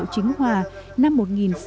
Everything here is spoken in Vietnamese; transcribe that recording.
chính hòa năm một nghìn sáu trăm tám mươi